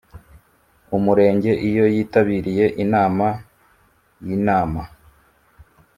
umurenge iyo yitabiriye inama y inama